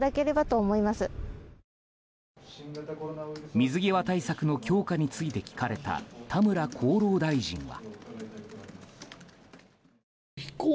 水際対策の強化について聞かれた、田村厚労大臣は。